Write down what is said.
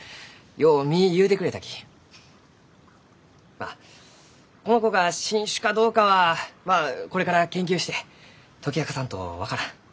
まあこの子が新種かどうかはまあこれから研究して解き明かさんと分からん。